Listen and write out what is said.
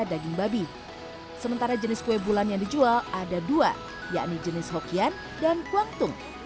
daging babi sementara jenis kue bulan yang dijual ada dua yakni jenis hokian dan kuangtung